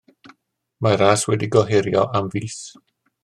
Mae'r ras wedi'i gohirio am fis.